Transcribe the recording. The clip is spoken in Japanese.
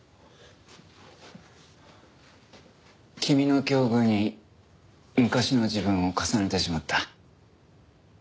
君の境遇に昔の自分を重ねてしまった。